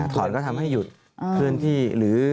ถอนก็ทำให้หยุดเคลื่อนที่หรือ